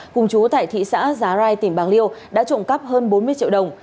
cùng chú tại thị xã giá rai tỉnh bạc liêu đã trộm cắp hơn bốn mươi triệu đồng